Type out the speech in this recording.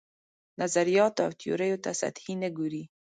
نظریاتو او تیوریو ته سطحي نه ګوري.